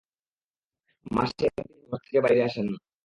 মাসে একদিন তিনি ঘর থেকে বাইরে আসেন না।